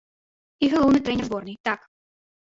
І галоўны трэнер зборнай, так.